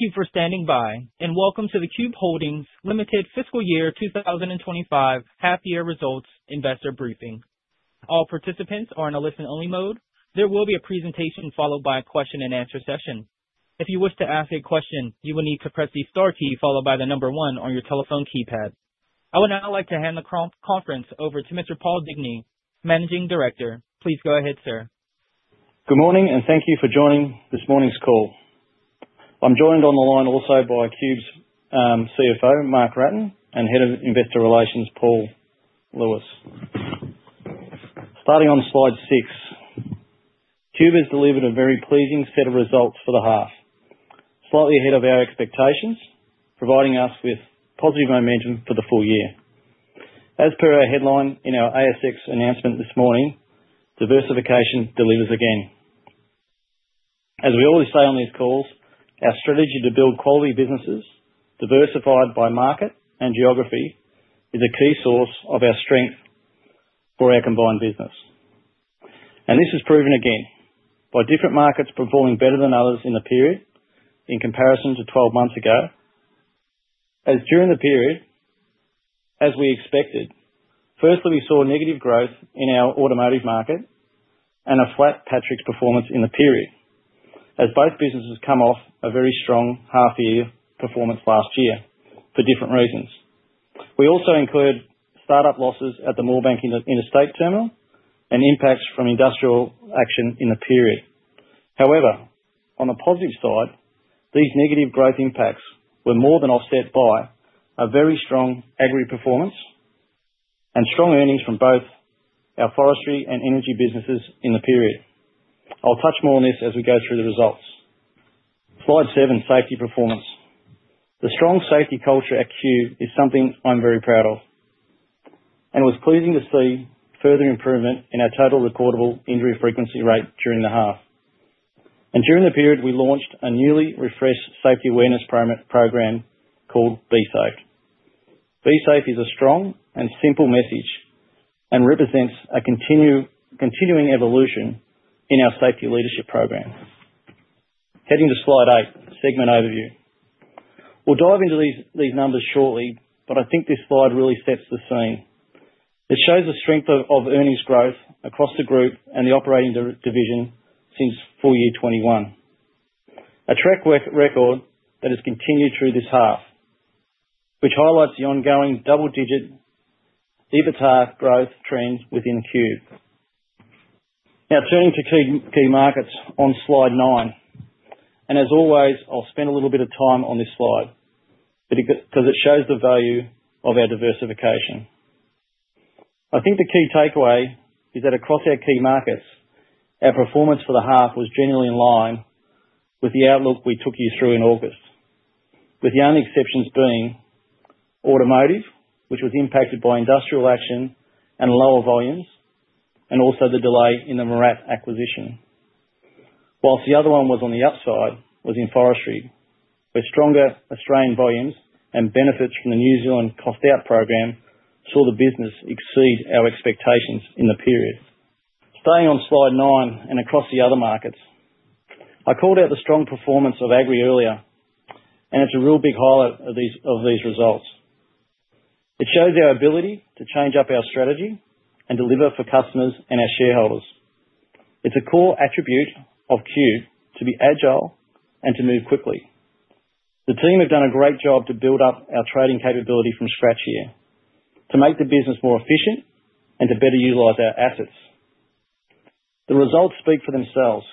Thank you for standing by, and welcome to the Qube Holdings Limited fiscal year 2025 half-year results investor briefing. All participants are in a listen-only mode. There will be a presentation followed by a question-and-answer session. If you wish to ask a question, you will need to press the star key followed by the number one on your telephone keypad. I would now like to hand the conference over to Mr. Paul Digney, Managing Director. Please go ahead, sir. Good morning, and thank you for joining this morning's call. I'm joined on the line also by Qube's CFO, Mark Wratten, and Head of Investor Relations, Paul Lewis. Starting on slide six, Qube has delivered a very pleasing set of results for the half, slightly ahead of our expectations, providing us with positive momentum for the full year. As per our headline in our ASX announcement this morning, "Diversification delivers again." As we always say on these calls, our strategy to build quality businesses, diversified by market and geography, is a key source of our strength for our combined business, and this is proven again by different markets performing better than others in the period in comparison to 12 months ago. As during the period, as we expected, firstly, we saw negative growth in our automotive market and a flat Patrick's performance in the period, as both businesses come off a very strong half-year performance last year for different reasons. We also incurred startup losses at the Moorebank Interstate Terminal and impacts from industrial action in the period. However, on the positive side, these negative growth impacts were more than offset by a very strong agri performance and strong earnings from both our forestry and energy businesses in the period. I'll touch more on this as we go through the results. Slide seven, safety performance. The strong safety culture at Qube is something I'm very proud of, and it was pleasing to see further improvement in our total recordable injury frequency rate during the half, and during the period, we launched a newly refreshed safety awareness program called Be Safe. Be Safe is a strong and simple message and represents a continuing evolution in our safety leadership program. Heading to slide eight, segment overview. We'll dive into these numbers shortly, but I think this slide really sets the scene. It shows the strength of earnings growth across the group and the operating division since full year 2021, a track record that has continued through this half, which highlights the ongoing double-digit EBITA growth trend within Qube. Now, turning to key markets on slide nine, and as always, I'll spend a little bit of time on this slide because it shows the value of our diversification. I think the key takeaway is that across our key markets, our performance for the half was generally in line with the outlook we took you through in August, with the only exceptions being automotive, which was impacted by industrial action and lower volumes, and also the delay in the MIRRAT acquisition. While the other one was on the upside, it was in forestry, where stronger Australian volumes and benefits from the New Zealand cost-out program saw the business exceed our expectations in the period. Staying on slide nine and across the other markets, I called out the strong performance of agri earlier, and it's a real big highlight of these results. It shows our ability to change up our strategy and deliver for customers and our shareholders. It's a core attribute of Qube to be agile and to move quickly. The team have done a great job to build up our trading capability from scratch here, to make the business more efficient, and to better utilize our assets. The results speak for themselves.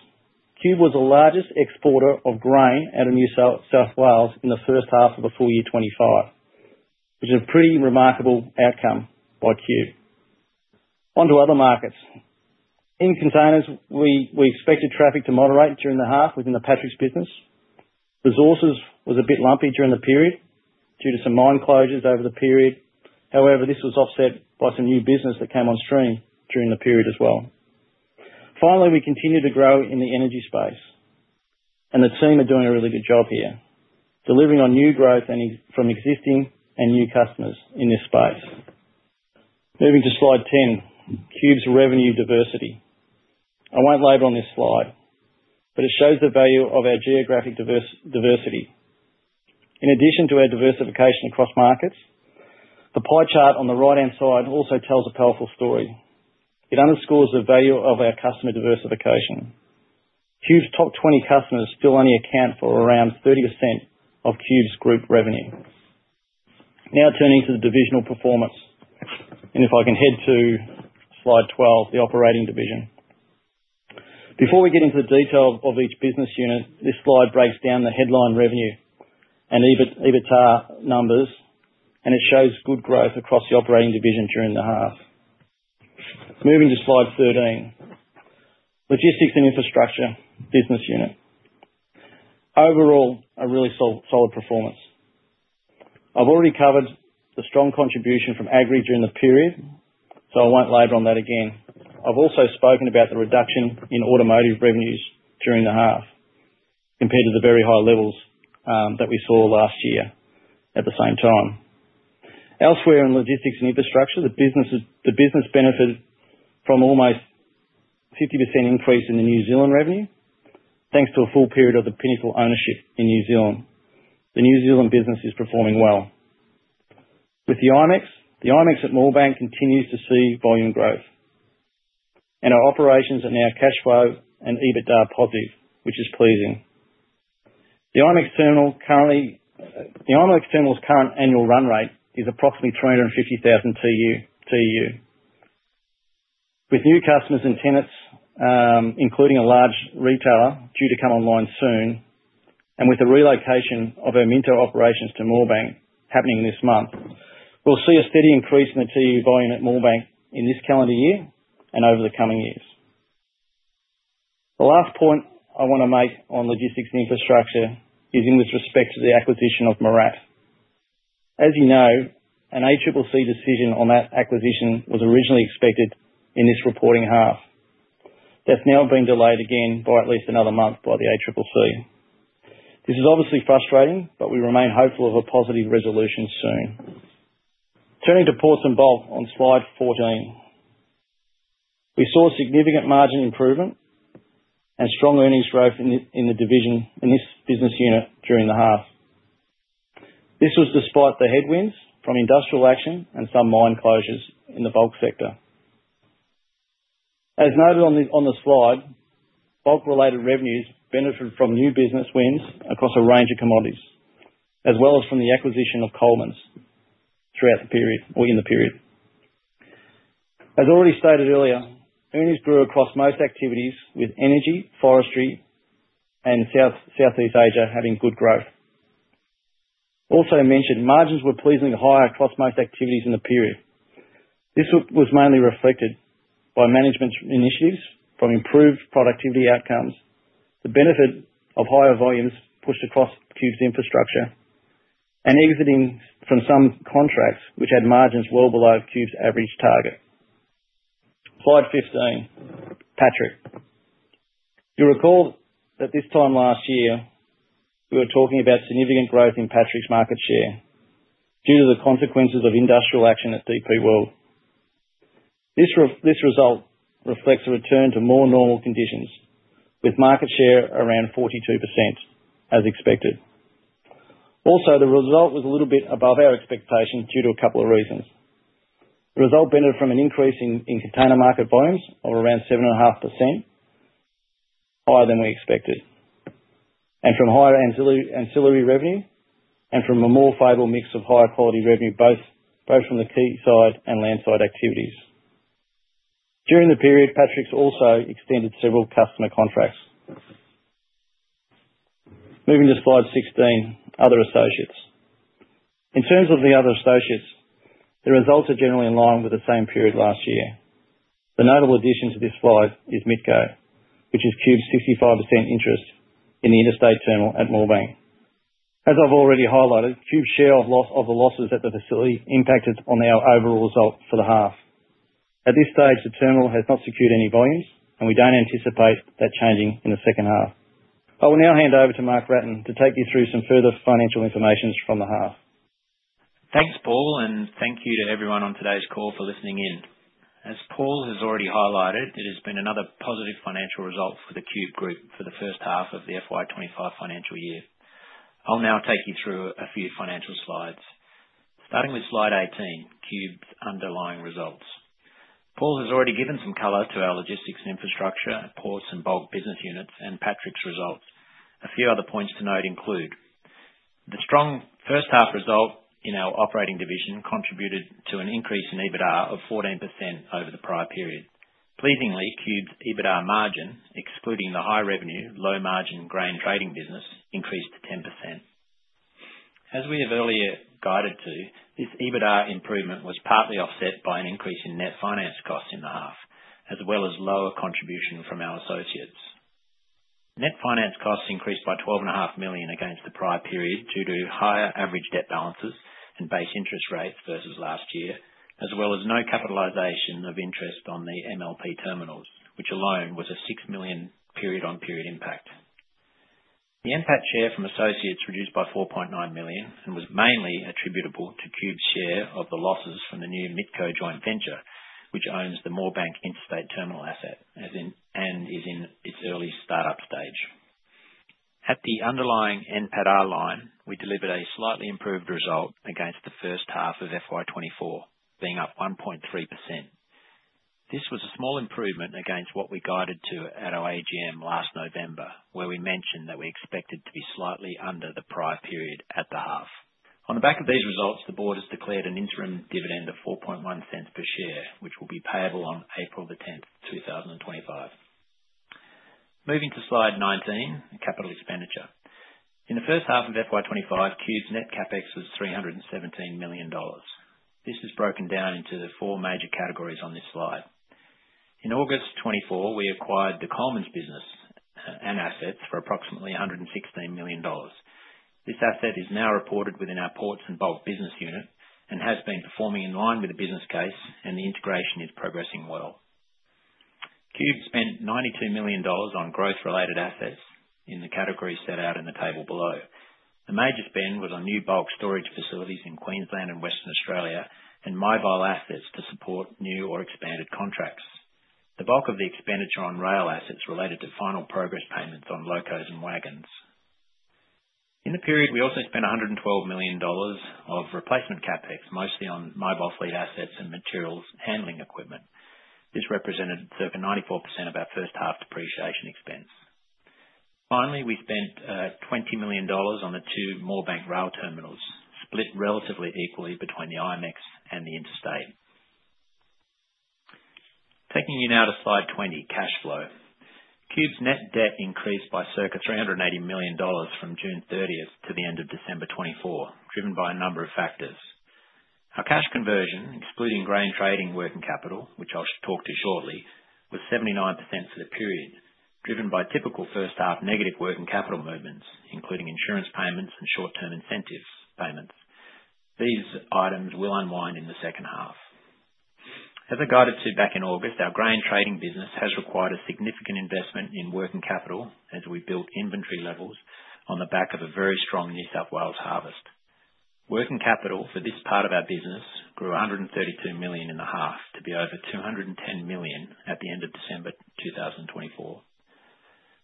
Qube was the largest exporter of grain out of New South Wales in the first half of the full year 2025, which is a pretty remarkable outcome by Qube. Onto other markets. In containers, we expected traffic to moderate during the half within the Patrick's business. Resources was a bit lumpy during the period due to some mine closures over the period. However, this was offset by some new business that came on stream during the period as well. Finally, we continue to grow in the energy space, and the team are doing a really good job here, delivering on new growth from existing and new customers in this space. Moving to slide 10, Qube's revenue diversity. I won't elaborate on this slide, but it shows the value of our geographic diversity. In addition to our diversification across markets, the pie chart on the right-hand side also tells a powerful story. It underscores the value of our customer diversification. Qube's top 20 customers still only account for around 30% of Qube's group revenue. Now turning to the divisional performance, and if I can head to slide 12, the operating division. Before we get into the detail of each business unit, this slide breaks down the headline revenue and EBITA numbers, and it shows good growth across the operating division during the half. Moving to slide 13, Logistics and Infrastructure business unit. Overall, a really solid performance. I've already covered the strong contribution from agri during the period, so I won't elaborate on that again. I've also spoken about the reduction in automotive revenues during the half compared to the very high levels that we saw last year at the same time. Elsewhere in Logistics and Infrastructure, the business benefited from almost 50% increase in the New Zealand revenue, thanks to a full period of the Pinnacle ownership in New Zealand. The New Zealand business is performing well. With the IMEX, the IMEX at Moorebank continues to see volume growth, and our operations are now cash flow and EBITA positive, which is pleasing. The IMEX terminal's current annual run rate is approximately 350,000 TEU. With new customers and tenants, including a large retailer due to come online soon, and with the relocation of our Minto's operations to Moorebank happening this month, we'll see a steady increase in the TEU volume at Moorebank in this calendar year and over the coming years. The last point I want to make on Logistics and Infrastructure is with respect to the acquisition of MIRRAT. As you know, an ACCC decision on that acquisition was originally expected in this reporting half. That's now been delayed again by at least another month by the ACCC. This is obviously frustrating, but we remain hopeful of a positive resolution soon. Turning to Ports and Bulk on slide 14, we saw significant margin improvement and strong earnings growth in the division in this business unit during the half. This was despite the headwinds from industrial action and some mine closures in the bulk sector. As noted on the slide, bulk-related revenues benefited from new business wins across a range of commodities, as well as from the acquisition of Colemans throughout the period or in the period. As already stated earlier, earnings grew across most activities, with energy, forestry, and Southeast Asia having good growth. Also mentioned, margins were pleasingly high across most activities in the period. This was mainly reflected by management initiatives from improved productivity outcomes, the benefit of higher volumes pushed across Qube's infrastructure, and exiting from some contracts which had margins well below Qube's average target. Slide 15, Patrick. You'll recall that this time last year, we were talking about significant growth in Patrick's market share due to the consequences of industrial action at DP World. This result reflects a return to more normal conditions, with market share around 42%, as expected. Also, the result was a little bit above our expectation due to a couple of reasons. The result benefited from an increase in container market volumes of around 7.5%, higher than we expected, and from higher ancillary revenue, and from a more favorable mix of higher quality revenue, both from the quayside and land side activities. During the period, Patrick's also extended several customer contracts. Moving to slide 16, other associates. In terms of the other associates, the results are generally in line with the same period last year. The notable addition to this slide is MICCO, which is Qube's 65% interest in the Interstate Terminal at Moorebank. As I've already highlighted, Qube's share of the losses at the facility impacted on our overall result for the half. At this stage, the terminal has not secured any volumes, and we don't anticipate that changing in the second half. I will now hand over to Mark Wratten to take you through some further financial information from the half. Thanks, Paul, and thank you to everyone on today's call for listening in. As Paul has already highlighted, it has been another positive financial result for the Qube group for the first half of the FY25 financial year. I'll now take you through a few financial slides, starting with slide 18, Qube's underlying results. Paul has already given some color to our Logistics and Infrastructure, Ports and Bulk business units, and Patrick's results. A few other points to note include the strong first-half result in our operating division contributed to an increase in EBITA of 14% over the prior period. Pleasingly, Qube's EBITA margin, excluding the high-revenue, low-margin grain trading business, increased 10%. As we have earlier guided to, this EBITA improvement was partly offset by an increase in net finance costs in the half, as well as lower contribution from our associates. Net finance costs increased by 12.5 million against the prior period due to higher average debt balances and base interest rates versus last year, as well as no capitalization of interest on the MLP terminals, which alone was a 6 million period-on-period impact. The impact share from associates reduced by 4.9 million and was mainly attributable to Qube's share of the losses from the new MICCO joint venture, which owns the Moorebank Interstate Terminal asset and is in its early startup stage. At the underlying NPATA line, we delivered a slightly improved result against the first half of FY24, being up 1.3%. This was a small improvement against what we guided to at our AGM last November, where we mentioned that we expected to be slightly under the prior period at the half. On the back of these results, the board has declared an interim dividend of 0.041 per share, which will be payable on April the 10th, 2025. Moving to slide 19, capital expenditure. In the first half of FY25, Qube's net CapEx was 317 million dollars. This is broken down into the four major categories on this slide. In August 2024, we acquired the Colemans business and assets for approximately 116 million dollars. This asset is now reported within our Ports and Bulk business unit and has been performing in line with the business case, and the integration is progressing well. Qube spent 92 million dollars on growth-related assets in the categories set out in the table below. The major spend was on new bulk storage facilities in Queensland and Western Australia and mobile assets to support new or expanded contracts. The bulk of the expenditure on rail assets related to final progress payments on locos and wagons. In the period, we also spent 112 million dollars of replacement CapEx, mostly on mobile fleet assets and materials handling equipment. This represented circa 94% of our first-half depreciation expense. Finally, we spent 20 million dollars on the two Moorebank rail terminals, split relatively equally between the IMEX and the interstate. Taking you now to slide 20, cash flow. Qube's net debt increased by circa 380 million dollars from June 30th to the end of December 2024, driven by a number of factors. Our cash conversion, excluding grain trading working capital, which I'll talk to shortly, was 79% for the period, driven by typical first-half negative working capital movements, including insurance payments and short-term incentive payments. These items will unwind in the second half. As I guided to back in August, our grain trading business has required a significant investment in working capital as we built inventory levels on the back of a very strong New South Wales harvest. Working capital for this part of our business grew 132 million in the half to be over 210 million at the end of December 2024.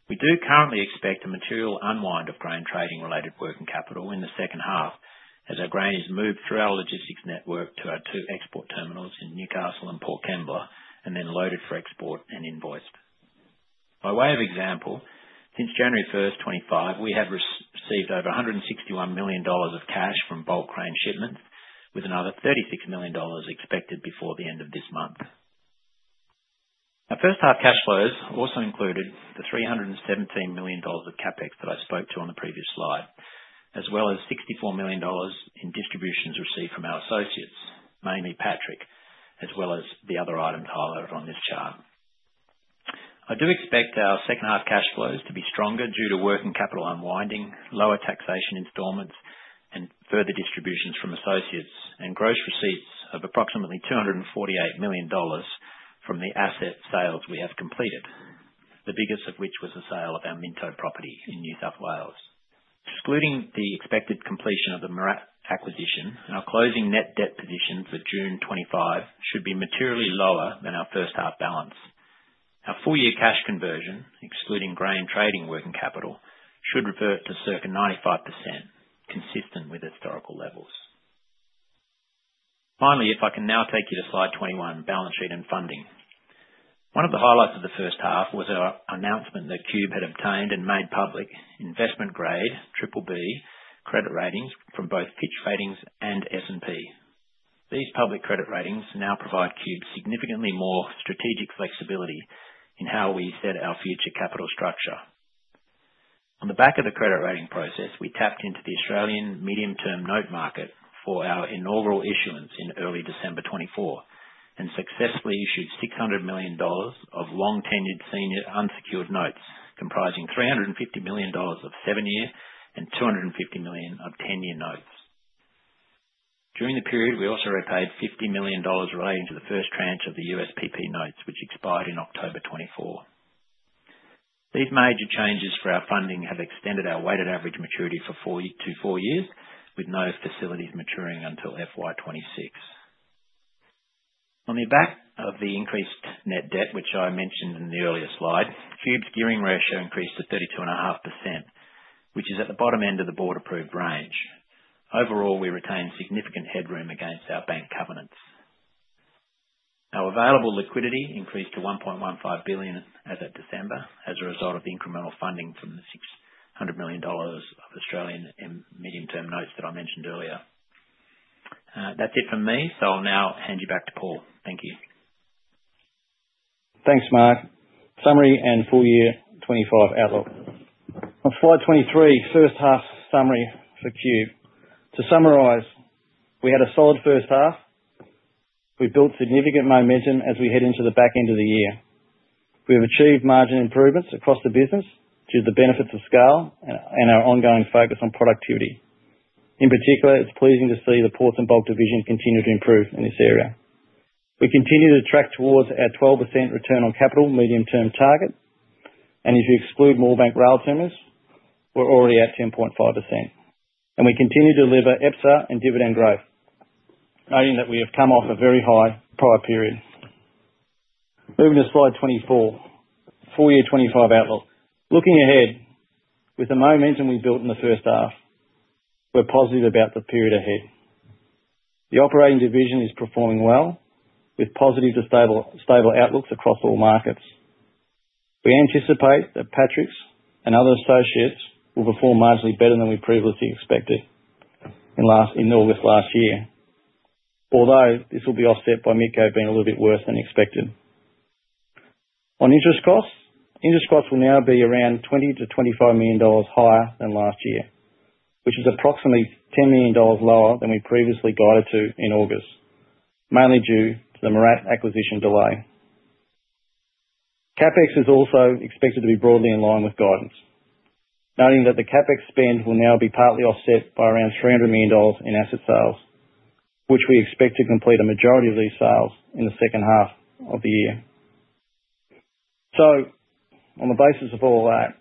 We do currently expect a material unwind of grain trading-related working capital in the second half as our grain is moved through our logistics network to our two export terminals in Newcastle and Port Kembla and then loaded for export and invoiced. By way of example, since January 1st, 2025, we have received over 161 million dollars of cash from bulk grain shipments, with another 36 million dollars expected before the end of this month. Our first-half cash flows also included the 317 million dollars of CapEx that I spoke to on the previous slide, as well as 64 million dollars in distributions received from our associates, mainly Patrick, as well as the other items highlighted on this chart. I do expect our second-half cash flows to be stronger due to working capital unwinding, lower taxation installments, and further distributions from associates, and gross receipts of approximately 248 million dollars from the asset sales we have completed, the biggest of which was the sale of our Minto property in New South Wales. Excluding the expected completion of the MIRRAT acquisition, our closing net debt position for June 2025 should be materially lower than our first-half balance. Our full-year cash conversion, excluding grain trading working capital, should revert to circa 95%, consistent with historical levels. Finally, if I can now take you to slide 21, balance sheet and funding. One of the highlights of the first half was our announcement that Qube had obtained and made public investment-grade BBB credit ratings from both Fitch Ratings and S&P. These public credit ratings now provide Qube significantly more strategic flexibility in how we set our future capital structure. On the back of the credit rating process, we tapped into the Australian medium-term note market for our inaugural issuance in early December 2024 and successfully issued 600 million dollars of long-tenured senior unsecured notes, comprising 350 million dollars of seven-year and 250 million of 10-year notes. During the period, we also repaid 50 million dollars relating to the first tranche of the USPP notes, which expired in October 2024. These major changes for our funding have extended our weighted average maturity to four years, with no facilities maturing until FY26. On the back of the increased net debt, which I mentioned in the earlier slide, Qube's gearing ratio increased to 32.5%, which is at the bottom end of the board-approved range. Overall, we retained significant headroom against our bank covenants. Our available liquidity increased to 1.15 billion as of December as a result of incremental funding from the 600 million dollars of Australian medium-term notes that I mentioned earlier. That's it for me, so I'll now hand you back to Paul. Thank you. Thanks, Mark. Summary and full-year 2025 outlook. On slide 23, first-half summary for Qube. To summarize, we had a solid first half. We built significant momentum as we head into the back end of the year. We have achieved margin improvements across the business due to the benefits of scale and our ongoing focus on productivity. In particular, it's pleasing to see the Ports and Bulk division continue to improve in this area. We continue to track towards our 12% return on capital medium-term target, and if you exclude Moorebank rail terminals, we're already at 10.5%, and we continue to deliver EPSA and dividend growth, noting that we have come off a very high prior period. Moving to slide 24, full-year 2025 outlook. Looking ahead, with the momentum we built in the first half, we're positive about the period ahead. The operating division is performing well, with positive to stable outlooks across all markets. We anticipate that Patrick's and other associates will perform marginally better than we previously expected in August last year, although this will be offset by MICCO being a little bit worse than expected. On interest costs, interest costs will now be around $20-$25 million higher than last year, which is approximately $10 million lower than we previously guided to in August, mainly due to the MIRRAT acquisition delay. CapEx is also expected to be broadly in line with guidance, noting that the CapEx spend will now be partly offset by around $300 million in asset sales, which we expect to complete a majority of these sales in the second half of the year. So, on the basis of all of that,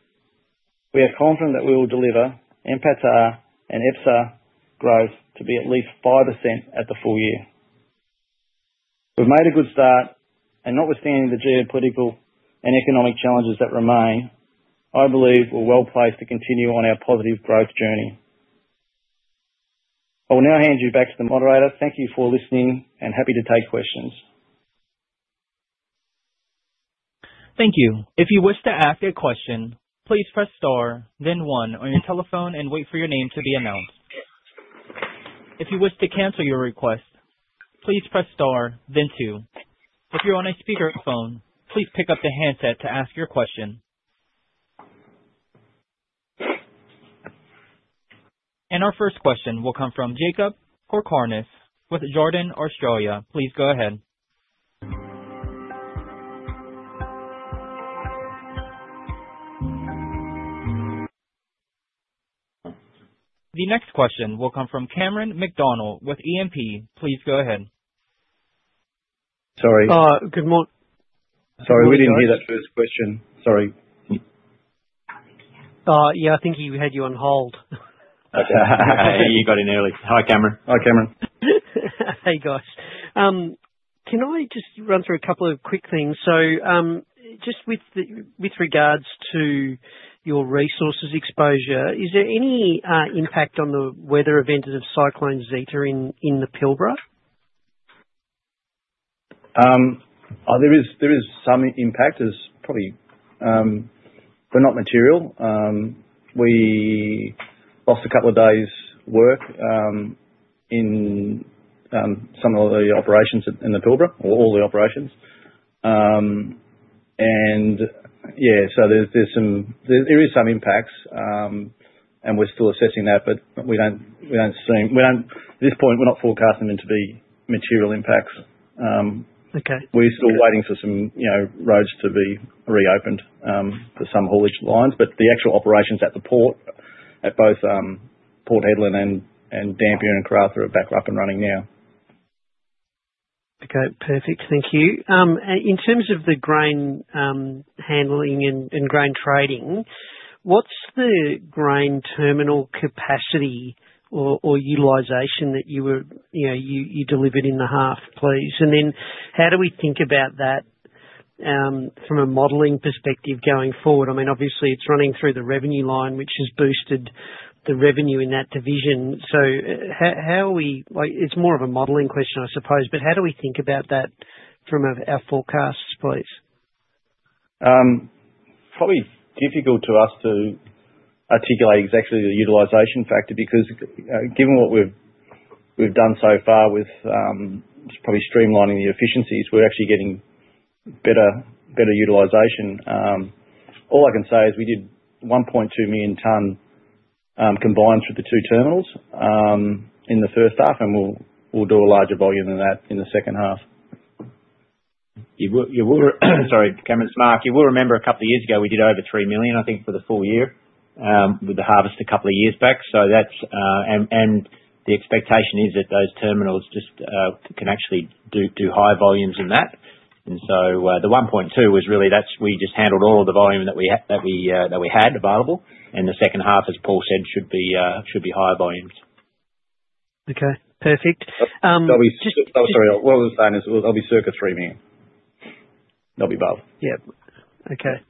we are confident that we will deliver NPATA and EPSA growth to be at least 5% at the full year. We've made a good start, and notwithstanding the geopolitical and economic challenges that remain, I believe we're well placed to continue on our positive growth journey. I will now hand you back to the moderator. Thank you for listening and happy to take questions. Thank you. If you wish to ask a question, please press star, then one on your telephone and wait for your name to be announced. If you wish to cancel your request, please press star, then two. If you're on a speakerphone, please pick up the handset to ask your question. And our first question will come from Jakob Cakarnis with Jarden Australia. Please go ahead. The next question will come from Cameron McDonald with E&P. Please go ahead. Sorry. Good morning. Sorry, we didn't hear that first question. Sorry. Yeah, I think he had you on hold. Okay. You got in early. Hi, Cameron. Hi, Cameron. Hey, guys. Can I just run through a couple of quick things? So just with regards to your resources exposure, is there any impact on the weather events of Cyclone Zeta in the Pilbara? There is some impact, probably, but not material. We lost a couple of days' work in some of the operations in the Pilbara, or all the operations. And yeah, so there is some impacts, and we're still assessing that, but we don't assume at this point, we're not forecasting them to be material impacts. We're still waiting for some roads to be reopened for some haulage lines, but the actual operations at the port, at both Port Hedland and Dampier and Karratha, are back up and running now. Okay. Perfect. Thank you. In terms of the grain handling and grain trading, what's the grain terminal capacity or utilization that you delivered in the half, please? And then how do we think about that from a modeling perspective going forward? I mean, obviously, it's running through the revenue line, which has boosted the revenue in that division. So, it's more of a modeling question, I suppose, but how do we think about that from our forecasts, please? probably difficult for us to articulate exactly the utilization factor because, given what we've done so far with probably streamlining the efficiencies, we're actually getting better utilization. All I can say is we did 1.2 million tons combined through the two terminals in the first half, and we'll do a larger volume than that in the second half. Sorry, Cameron, it's Mark. You will remember a couple of years ago, we did over three million, I think, for the full year with the harvest a couple of years back. The expectation is that those terminals just can actually do high volumes in that. So the 1.2 was really that we just handled all of the volume that we had available, and the second half, as Paul said, should be high volumes. Okay. Perfect. Sorry, what I was saying is it'll be circa three million. It'll be above. Yeah. Okay.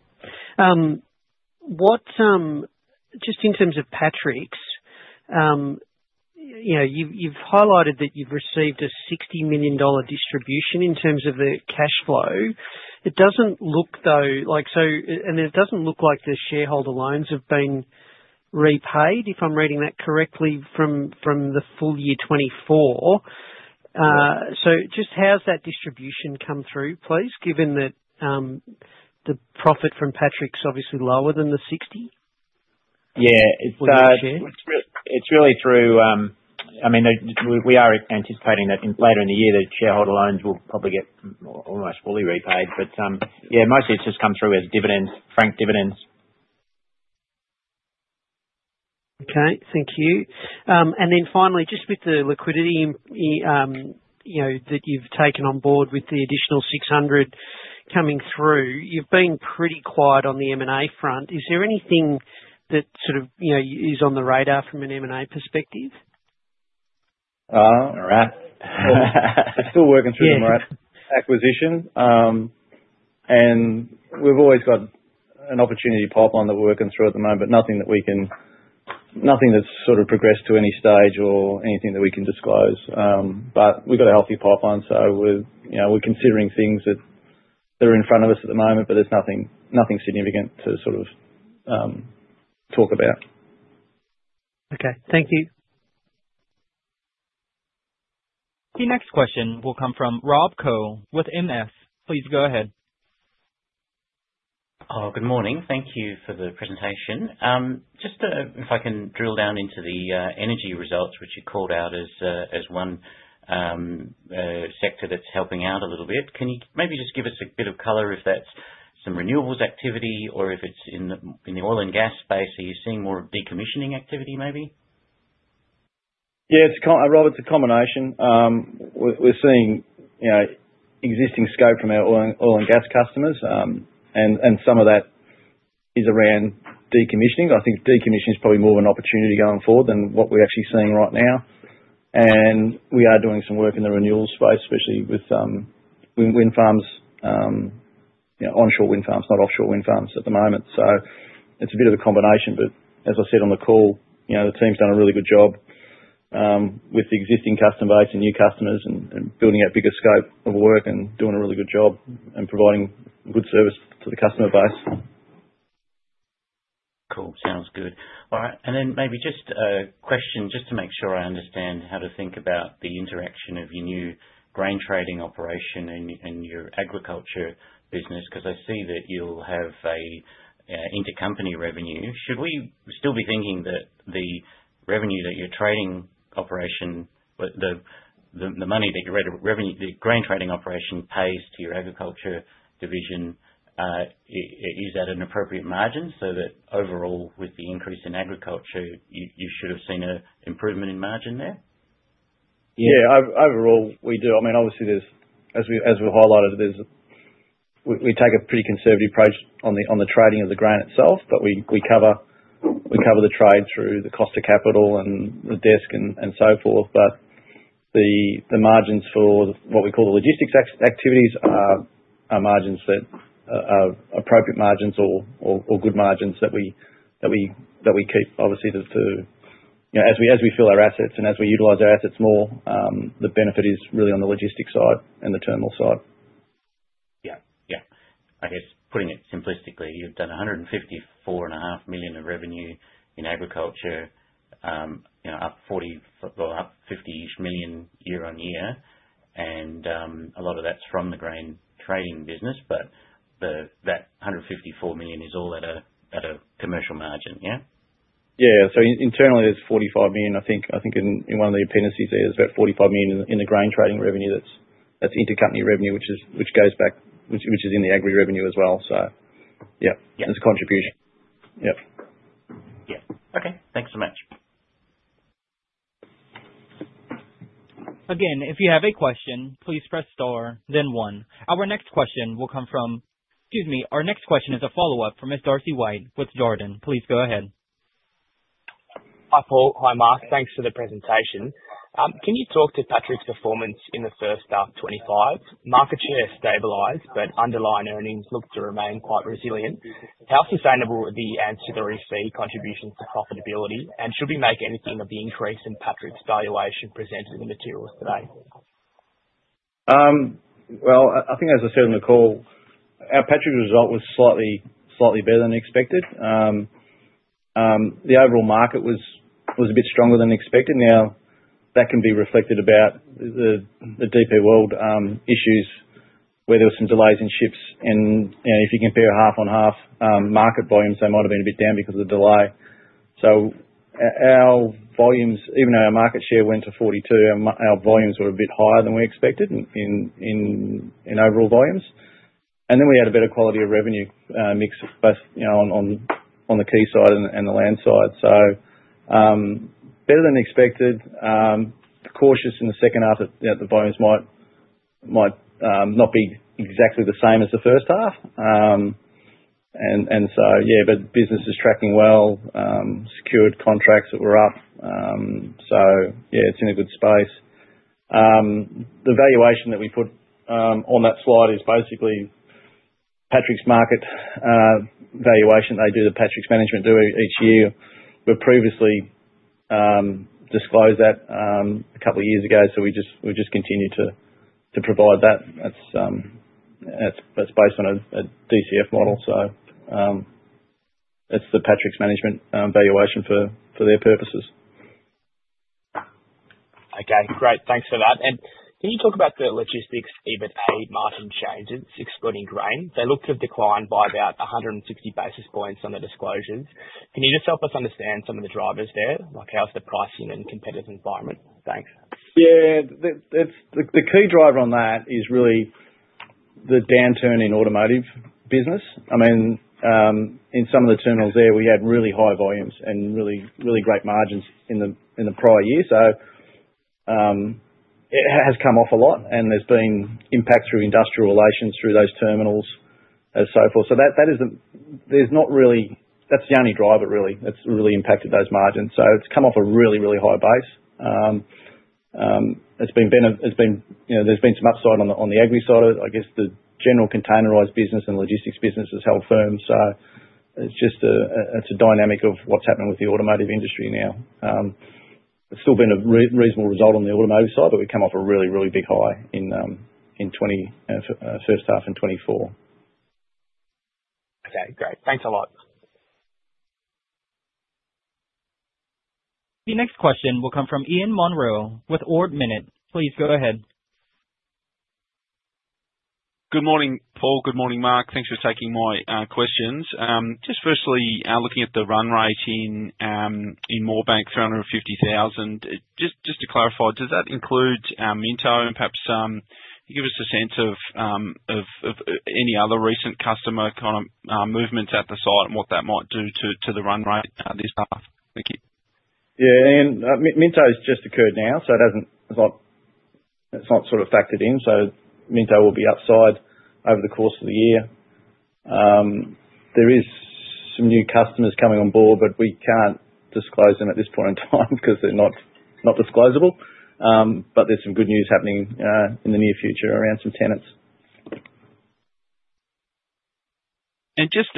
Just in terms of Patrick's, you've highlighted that you've received a 60 million dollar distribution in terms of the cash flow. It doesn't look, though, and it doesn't look like the shareholder loans have been repaid, if I'm reading that correctly, from the full year 2024. So just how's that distribution come through, please, given that the profit from Patrick's obviously lower than the 60? Yeah. It's really through, I mean, we are anticipating that later in the year, the shareholder loans will probably get almost fully repaid. But yeah, mostly it's just come through as dividends, franked dividends. Okay. Thank you, and then finally, just with the liquidity that you've taken on board with the additional 600 coming through, you've been pretty quiet on the M&A front. Is there anything that sort of is on the radar from an M&A perspective? All right. We're still working through the MIRRAT acquisition, and we've always got an opportunity pipeline that we're working through at the moment, but nothing that we can, nothing that's sort of progressed to any stage or anything that we can disclose. But we've got a healthy pipeline, so we're considering things that are in front of us at the moment, but there's nothing significant to sort of talk about. Okay. Thank you. The next question will come from Rob Koh with MS. Please go ahead. Oh, good morning. Thank you for the presentation. Just if I can drill down into the energy results, which you called out as one sector that's helping out a little bit. Can you maybe just give us a bit of color if that's some renewables activity or if it's in the oil and gas space? Are you seeing more decommissioning activity, maybe? Yeah. It's a combination. We're seeing existing scope from our oil and gas customers, and some of that is around decommissioning. I think decommissioning is probably more of an opportunity going forward than what we're actually seeing right now. And we are doing some work in the renewables space, especially with wind farms, onshore wind farms, not offshore wind farms at the moment. So it's a bit of a combination. But as I said on the call, the team's done a really good job with the existing customer base and new customers and building out bigger scope of work and doing a really good job and providing good service to the customer base. Cool. Sounds good. All right. And then maybe just a question, just to make sure I understand how to think about the interaction of your new grain trading operation and your agriculture business, because I see that you'll have intercompany revenue. Should we still be thinking that the revenue that your trading operation, the money that your grain trading operation pays to your agriculture division, is at an appropriate margin so that overall, with the increase in agriculture, you should have seen an improvement in margin there? Yeah. Overall, we do. I mean, obviously, as we've highlighted, we take a pretty conservative approach on the trading of the grain itself, but we cover the trade through the cost of capital and the desk and so forth. But the margins for what we call the logistics activities are margins that are appropriate margins or good margins that we keep, obviously, as we fill our assets and as we utilize our assets more. The benefit is really on the logistics side and the terminal side. Yeah. Yeah. I guess putting it simplistically, you've done 154.5 million in revenue in agriculture, up 50-ish million year on year, and a lot of that's from the grain trading business, but that 154 million is all at a commercial margin, yeah? Yeah. So internally, there's 45 million. I think in one of the appendices, there's about 45 million in the grain trading revenue. That's intercompany revenue, which goes back, which is in the agri revenue as well. So yeah, there's a contribution. Yep. Yeah. Okay. Thanks so much. Again, if you have a question, please press star, then one. Our next question will come from. Excuse me. Our next question is a follow-up from Mr. Darcy White with Jarden. Please go ahead. Hi Paul. Hi, Mark. Thanks for the presentation. Can you talk to Patrick's performance in the first half 2025? Market share has stabilized, but underlying earnings look to remain quite resilient. How sustainable are the ancillary fee contributions to profitability, and should we make anything of the increase in Patrick's valuation presented in the materials today? I think, as I said on the call, our Patrick result was slightly better than expected. The overall market was a bit stronger than expected. Now, that can be reflected about the DP World issues, where there were some delays in ships. And if you compare half-on-half market volumes, they might have been a bit down because of the delay. So even though our market share went to 42%, our volumes were a bit higher than we expected in overall volumes. And then we had a better quality of revenue mix on the quayside and the land side. So better than expected. Cautious in the second half that the volumes might not be exactly the same as the first half. And so yeah, but business is tracking well, secured contracts that were up. So yeah, it's in a good space. The valuation that we put on that slide is basically Patrick's market valuation that they do, the Patrick's management do each year. We previously disclosed that a couple of years ago, so we just continue to provide that. That's based on a DCF model, so that's the Patrick's management valuation for their purposes. Okay. Great. Thanks for that. And can you talk about the logistics EBITA margin changes excluding grain? They look to have declined by about 160 basis points on the disclosures. Can you just help us understand some of the drivers there? How's the pricing and competitive environment? Thanks. Yeah. The key driver on that is really the downturn in automotive business. I mean, in some of the terminals there, we had really high volumes and really great margins in the prior year. So it has come off a lot, and there's been impact through industrial relations through those terminals and so forth. So there's not really. That's the only driver, really, that's really impacted those margins. So it's come off a really, really high base. It's been. There's been some upside on the agri side of it. I guess the general containerized business and logistics business has held firm. So it's a dynamic of what's happening with the automotive industry now. It's still been a reasonable result on the automotive side, but we've come off a really, really big high in the first half in 2024. Okay. Great. Thanks a lot. The next question will come from Ian Munro with Ord Minnett. Please go ahead. Good morning, Paul. Good morning, Mark. Thanks for taking my questions. Just firstly, looking at the run rate in Moorebank, 350,000, just to clarify, does that include Minto and perhaps give us a sense of any other recent customer kind of movements at the site and what that might do to the run rate this half? Thank you. Yeah. Minto has just occurred now, so it's not sort of factored in. So Minto will be upside over the course of the year. There are some new customers coming on board, but we can't disclose them at this point in time because they're not disclosable. But there's some good news happening in the near future around some tenants. And just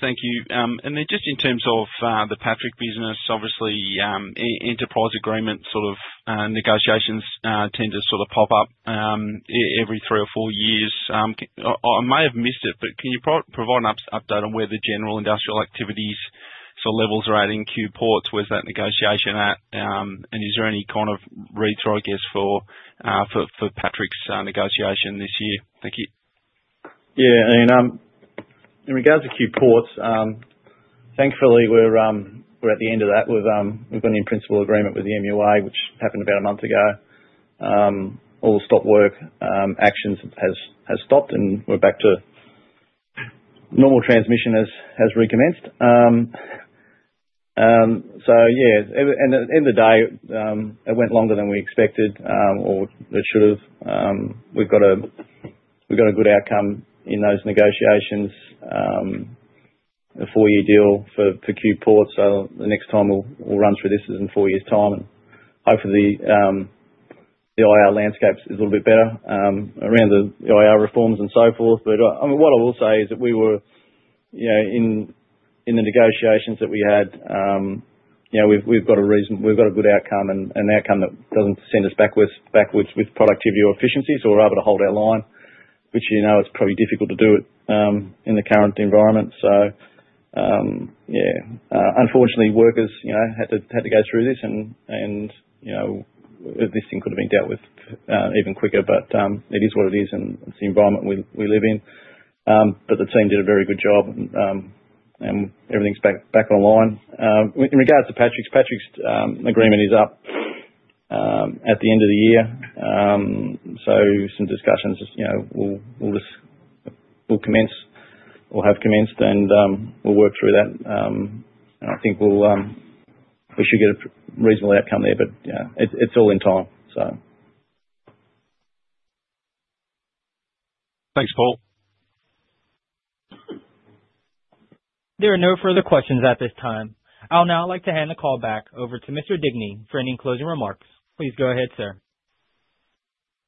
thank you. And then just in terms of the Patrick business, obviously, enterprise agreement sort of negotiations tend to sort of pop up every three or four years. I may have missed it, but can you provide an update on where the general industrial activities so levels are at in Q Ports, where's that negotiation at? And is there any kind of retry, I guess, for Patrick's negotiation this year? Thank you. Yeah. In regards to Qube Ports, thankfully, we're at the end of that. We've gone in principle agreement with the MUA, which happened about a month ago. All the stop work actions have stopped, and we're back to normal. Transmission has recommenced. So yeah. At the end of the day, it went longer than we expected or it should have. We've got a good outcome in those negotiations, a four-year deal for Qube Ports. So the next time we'll run through this is in four years' time. Hopefully, the IR landscape is a little bit better around the IR reforms and so forth. But what I will say is that we were in the negotiations that we had, we've got a reasonable—we've got a good outcome and an outcome that doesn't send us backwards with productivity or efficiency. So we're able to hold our line, which it's probably difficult to do in the current environment. So yeah. Unfortunately, workers had to go through this, and this thing could have been dealt with even quicker. But it is what it is, and it's the environment we live in. But the team did a very good job, and everything's back online. In regards to Patrick's, Patrick's agreement is up at the end of the year. So some discussions will commence or have commenced, and we'll work through that. And I think we should get a reasonable outcome there, but it's all in time, so. Thanks, Paul. There are no further questions at this time. I'll now like to hand the call back over to Mr. Digney for any closing remarks. Please go ahead, sir.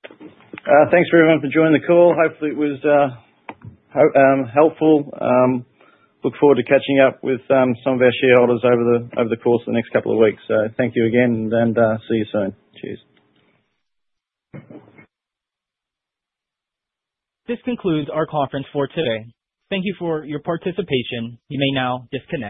Thanks for everyone for joining the call. Hopefully, it was helpful. Look forward to catching up with some of our shareholders over the course of the next couple of weeks. So thank you again, and see you soon. Cheers. This concludes our conference for today. Thank you for your participation. You may now disconnect.